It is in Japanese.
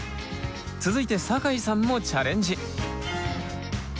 続いて酒井さんもチャレンジ！